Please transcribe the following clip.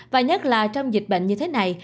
và nhắc là trong dịch bệnh như thế này